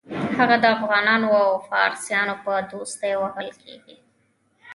هغه د افغانانو او فارسیانو په دوستۍ وهل کېږي.